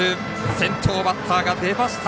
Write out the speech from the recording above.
先頭バッターが出ました。